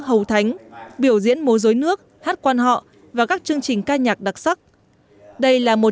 hầu thánh biểu diễn mô dối nước hát quan họ và các chương trình ca nhạc đặc sắc đây là một